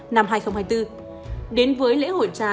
năm hai nghìn hai mươi bốn đến với lễ hội trà